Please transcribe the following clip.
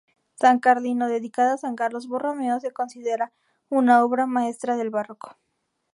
San Carlino, dedicada a San Carlos Borromeo, se considera una obra maestra del Barroco.